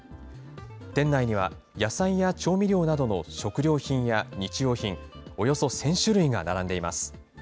店内には野菜や調味料などの食料品や日用品およそ１０００種類が並んでいます。